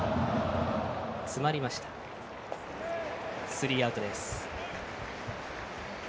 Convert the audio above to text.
スリーアウトです。